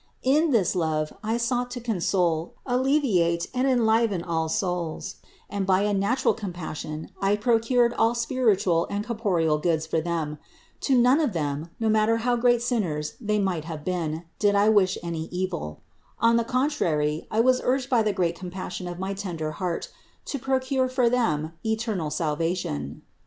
In this love I sought to console, alleviate and enliven all the souls; and by a natural compassion I procured all spiritual and cor poreal goods for them ; to none of them, no matter how great sinners they might have been, did I wish any evil; on the contrary I was urged by the great compas sion of my tender heart to procure for them eternal sal vation.